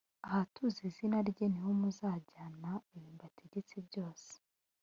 ahatuze izina rye, ni ho muzajyana ibi mbategetse byose: